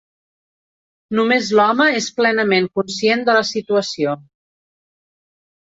Només l'home és plenament conscient de la situació.